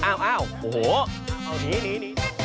อ้าวหนี